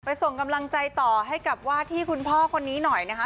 ส่งกำลังใจต่อให้กับว่าที่คุณพ่อคนนี้หน่อยนะคะ